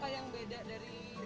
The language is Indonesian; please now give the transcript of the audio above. apa yang beda dari